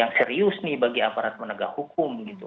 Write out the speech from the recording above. yang serius nih bagi aparat penegak hukum gitu